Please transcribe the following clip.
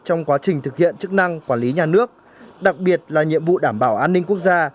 trong quá trình thực hiện chức năng quản lý nhà nước đặc biệt là nhiệm vụ đảm bảo an ninh quốc gia